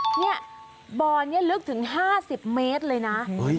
เนี่ยบ่อนี้ลึกถึง๕๐เมตรเลยนะ